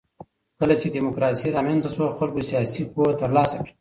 کله چي ډيموکراسي رامنځته سوه خلګو سياسي پوهه ترلاسه کړه.